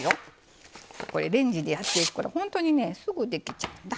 これレンジでやっていくからほんとにねすぐできちゃうんだ。